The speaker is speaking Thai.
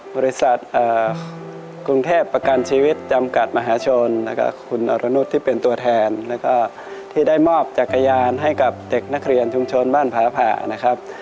บริษัทกรุงเทพประกันชีวิตจำกัดมหาชนแล้วก็คุณอรนุษย์ที่เป็นตัวแทนแล้วก็ที่ได้มอบจักรยานให้กับเด็กนักเรียนชุมชนบ้านผาผ่านะครับ